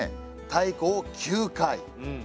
太鼓を９回。